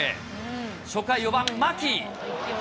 初回、４番牧。